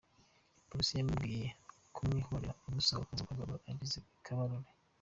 Polisi yamubwiye kumwihorera, imusaba kuza guhagarara ageze i Kabarore.